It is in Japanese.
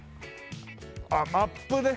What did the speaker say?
あっマップで。